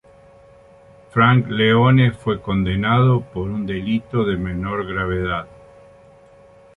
Frank Leone fue condenado por un delito de menor gravedad.